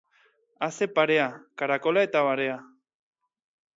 A ze parea, karakola ta barea!